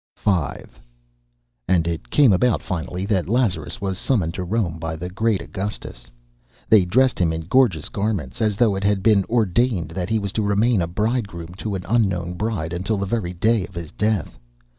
V And it came about finally that Lazarus was summoned to Rome by the great Augustus. They dressed him in gorgeous garments as though it had been ordained that he was to remain a bridegroom to an unknown bride until the very day of his death.